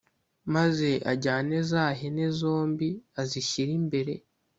Maze ajyane za hene zombi azishyire imbere